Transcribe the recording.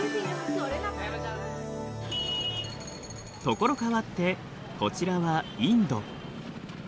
所変わってこちらはインド。